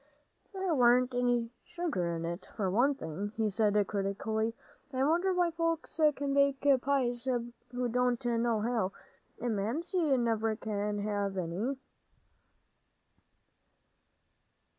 "There warn't any sugar in, for one thing," he said critically. "I wonder why folks can bake pies who don't know how, and Mamsie never can have any."